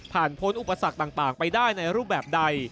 พ้นอุปสรรคต่างไปได้ในรูปแบบใด